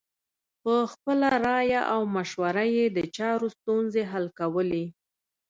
په خپله رایه او مشوره یې د چارو ستونزې حل کولې.